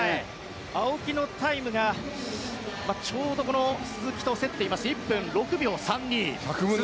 青木のタイムがちょうど鈴木と競っていまして１分６秒３２。